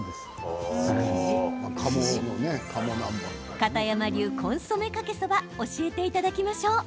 片山流コンソメかけそば教えていただきましょう。